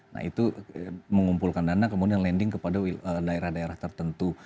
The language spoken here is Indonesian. nah itu mengumpulkan dana kemudian landing kepada daerah daerah tertentu